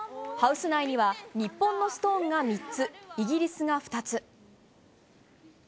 ハウス内には日本のストーンが３つイギリスが２つ。